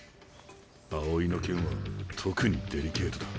青井の件は特にデリケートだ。